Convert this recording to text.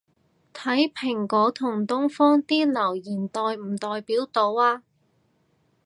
睇蘋果同東方啲留言代唔代表到吖